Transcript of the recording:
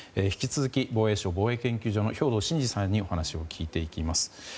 引き続き防衛省防衛研究所の兵頭慎治さんにお話を聞いていきます。